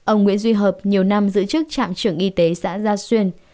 ông nguyễn duy hợp nhiều năm giữ chức trạm trưởng y tế xã gia xuyên